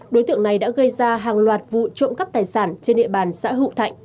đối tượng này đã gây ra hàng loạt vụ trộm cắp tài sản trên địa bàn xã hữu thạnh